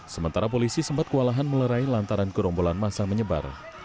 sementara polisi sempat kualahan melerai lantaran kerombolan masa menyebar